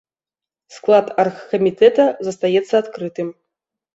Склад аргкамітэта застаецца адкрытым.